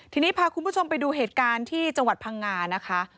ทีนี้พาคุณผู้ชมไปดูเหตุการณ์ที่จังหวัดพังงานะคะ